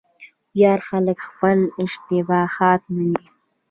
هوښیار خلک خپل اشتباهات مني.